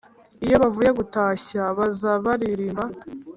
iyo bavuye gutashya bazabaririmba,